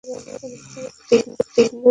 এটি হিন্দু ধর্মের একটি পবিত্র পবিত্র স্থান।